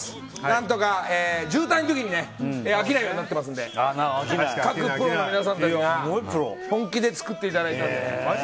何とか渋滞の時に明らかになってますので各プロの皆さんで本気で作っていただいたので。